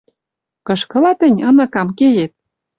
Кышкыла тӹнь, ыныкам, кеет?